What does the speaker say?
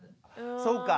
そうか。